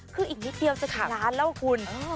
คืออีกนิดเดียวจะสี่ล้านแล้วกระคุณอือ